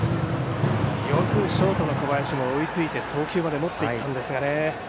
よくショートの小林も追いついて送球まで持っていったんですが。